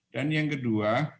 dan yang kedua